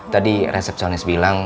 tadi resepsionis bilang